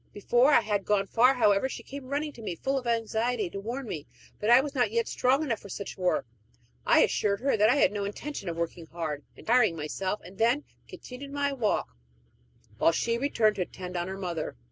Before I had gone far, however, she came running to me, full of anxiety, to warn me that I was not yet strong enough for such work. I assured her that I had no intention of working hard and tiring myself, then continued my walk, while she returned to attend on her mother.